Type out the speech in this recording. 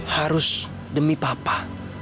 harus demi papa